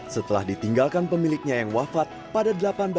setelah ditinggalkan pemiliknya yang wafat pada seribu delapan ratus sembilan puluh